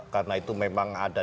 karena itu memang ada